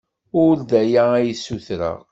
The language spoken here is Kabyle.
Ur d aya ay d-ssutreɣ.